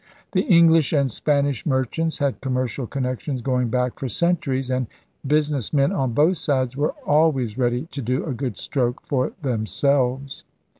The English and Spanish merchants had commercial connections going back for centuries; and busi ness men on both sides were always ready to do a good stroke for themselves.